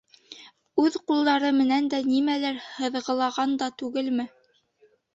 Үҙ ҡулдары менән дә нимәлер һыҙғылаған да түгелме?